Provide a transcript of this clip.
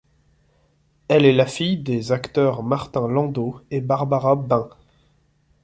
Elle est la fille des acteurs Martin Landau et Barbara Bain.